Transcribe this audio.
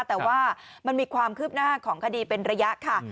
แต่ว่ามันมีความคืบหน้าของคดีเป็นระยะค่ะ